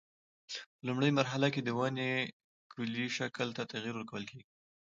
په لومړۍ مرحله کې د ونې کلي شکل ته تغییر ورکول کېږي.